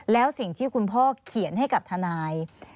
แล้วสิ่งที่คุณพ่อเขียนให้กับทนาย